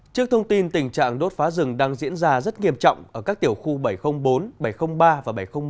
trước thông tin tình trạng đốt phá rừng đang diễn ra rất nghiêm trọng ở các tiểu khu bảy trăm linh bốn bảy trăm linh ba và bảy trăm linh một